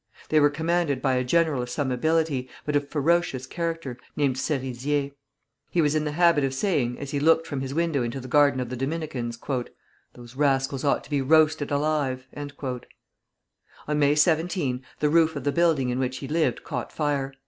They were commanded by a general of some ability, but of ferocious character, named Serizier. He was in the habit of saying, as he looked from his window into the garden of the Dominicans, "Those rascals ought to be roasted alive." On May 17 the roof of the building in which he lived caught fire.